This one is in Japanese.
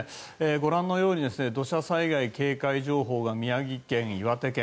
ご覧のように土砂災害警戒情報が宮城県、岩手県